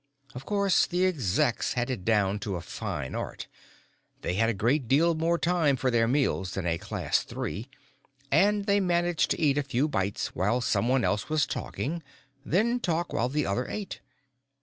Of course, the Execs had it down to a fine art; they had a great deal more time for their meals than a Class Three, and they managed to eat a few bites while someone else was talking, then talk while the other ate.